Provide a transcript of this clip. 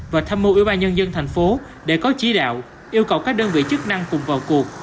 và tham mưu ủy ban nhân dân thành phố để có chỉ đạo yêu cầu các đơn vị chức năng cùng vào cuộc